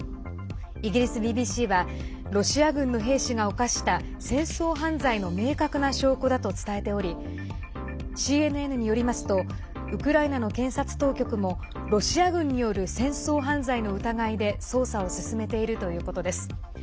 イギリスＢＢＣはロシア軍の兵士が犯した戦争犯罪の明確な証拠だと伝えておりＣＮＮによりますとウクライナの検察当局もロシア軍による戦争犯罪の疑いで捜査を進めているということです。